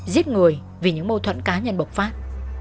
giết người vì những mâu thuẫn cá nhân bộc phát